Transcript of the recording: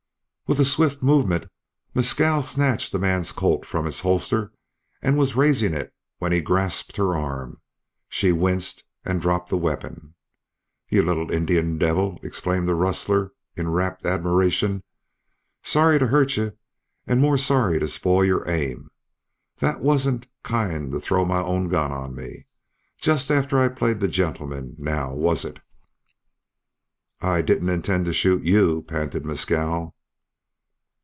With a swift movement Mescal snatched the man's Colt from its holster and was raising it when he grasped her arm. She winced and dropped the weapon. "You little Indian devil!" exclaimed the rustler, in a rapt admiration. "Sorry to hurt you, an' more'n sorry to spoil your aim. Thet wasn't kind to throw my own gun on me, jest after I'd played the gentleman, now, was it?" "I didn't intend to shoot you," panted Mescal.